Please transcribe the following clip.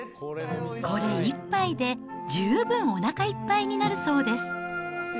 これ１杯で十分おなかいっぱいになるそうです。